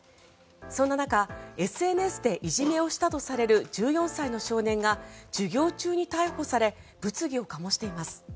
そんな中、ＳＮＳでいじめをしたとされる１４歳の少年が授業中に逮捕され物議を醸しています。